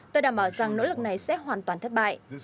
tôi đảm bảo rằng nỗ lực này sẽ hoàn toàn thất bại